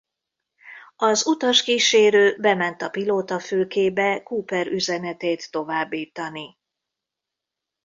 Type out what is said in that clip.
Az utaskísérő bement a pilótafülkébe Cooper üzenetét továbbítani.